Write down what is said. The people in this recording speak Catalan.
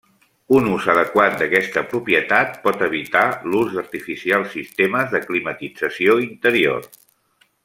Un ús adequat d'aquesta propietat pot evitar l'ús d'artificials sistemes de climatització interior.